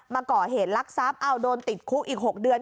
มาก่อเหตุลักษัพโดนติดคุกอีก๖เดือน